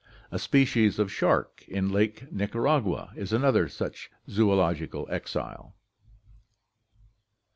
A species of shark in Lake Nicaragua is another such zoological exile.